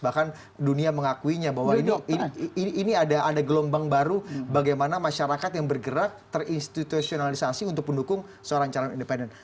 bahkan dunia mengakuinya bahwa ini ada gelombang baru bagaimana masyarakat yang bergerak terinstitutionalisasi untuk mendukung seorang calon independen